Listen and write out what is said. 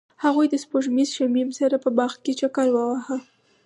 هغوی د سپوږمیز شمیم سره په باغ کې چکر وواهه.